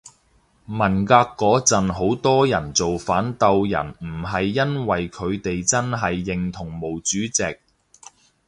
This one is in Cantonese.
文革嗰陣好多人造反鬥人唔係因爲佢哋真係認同毛主席